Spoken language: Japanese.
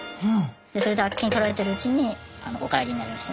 それであっけにとられてるうちにお帰りになりました。